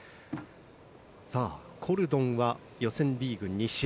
さあ、コルドンは予選リーグ２試合。